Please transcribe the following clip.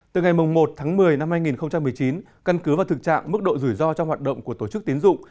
từ ngày một tháng một mươi năm hai nghìn một mươi chín căn cứ vào thực trạng mức độ rủi ro trong hoạt động của tổ chức tiến dụng